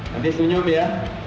nanti senyum ya